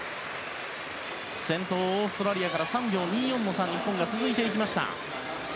先頭、オーストラリアから３秒２４の差で日本が続いていきました。